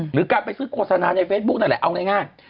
หรือการไปซื้อโฆษณาในเฟซบุ๊กนั่นแหละเอาง่าย